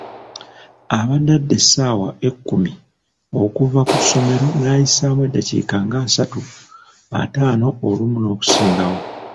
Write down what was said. Abadde adda essaawa ekkumi okuva ku ssomero nayisaamu eddakiika ng'asatu, ataano olumu n'okusingawo.